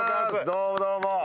どうもどうも。